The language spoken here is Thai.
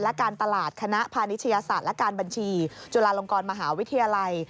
และการตลาดคณะพานิชยาศาสตร์และการบัญชีจุฬาลงกรมหาวิทยาลัย